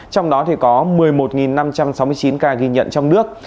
trong đó có một mươi một năm trăm sáu mươi chín ca ghi nhận trong nước